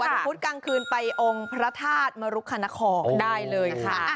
พุธกลางคืนไปองค์พระธาตุมรุคณครได้เลยค่ะ